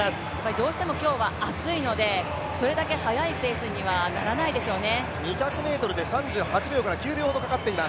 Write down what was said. どうしても今日は暑いのでそれだけ速いペースにはならないでしょうね。